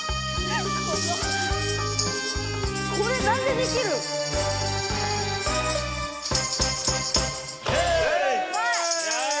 これ何でできる⁉ヘイ！